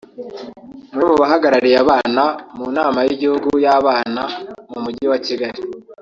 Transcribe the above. umwe mu bahagarariye abana mu nama y’igihugu y’abana mu Mujyi wa Kigali